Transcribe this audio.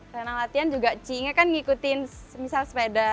ternyata latihan juga cie inge kan ngikutin misal sepeda